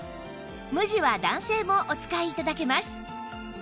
無地は男性もお使い頂けます